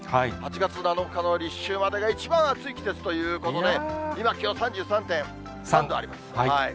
８月７日の立秋までが一番暑い季節ということで、今、気温３３．３度あります。